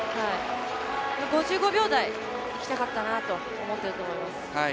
５５秒台、いきたかったなと思ってると思います。